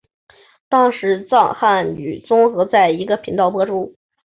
当时藏汉语综合在一个频道播出。